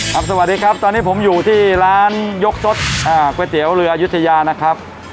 สวัสดีครับตอนนี้ผมอยู่ที่ร้านยกสดก๋วยเตี๋ยวเรืออายุทยานะครับ